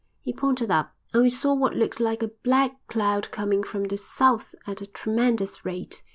He pointed up, and we saw what looked like a black cloud coming from the south at a tremendous rate.